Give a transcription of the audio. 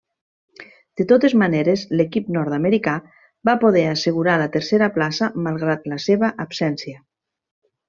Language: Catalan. De totes maneres, l'equip nord-americà va poder assegurar la tercera plaça malgrat la seva absència.